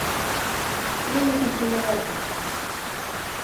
Я не кантраляваў працэс.